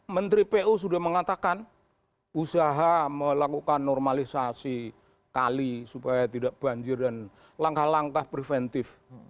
menteri pu sudah mengatakan usaha melakukan normalisasi kali supaya tidak banjir dan langkah langkah preventif